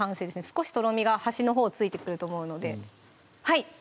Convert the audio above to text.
少しとろみが端のほうついてくると思うのではい